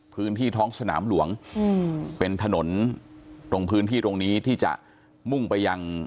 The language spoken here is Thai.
พื้นที่ท้องสนามหลวงเป็นถนนตรงพื้นที่ตรงนี้ที่จะมุ่งไปยัง